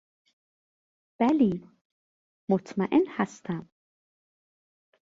بلی مطمئن هستم.